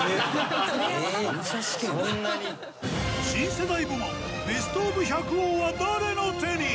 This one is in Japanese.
新世代部門ベストオブ百王は誰の手に！？